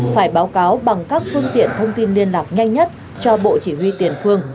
phải báo cáo bằng các phương tiện thông tin liên lạc nhanh nhất cho bộ chỉ huy tiền phương